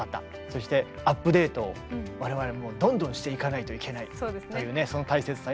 そしてアップデートを我々もどんどんしていかないといけない。